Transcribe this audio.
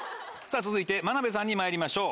続いて眞鍋さんにまいりましょう。